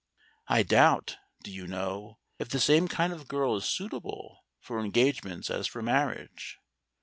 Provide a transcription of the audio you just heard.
I doubt, do you know, if the same kind of girl is suitable for engagements as for marriage.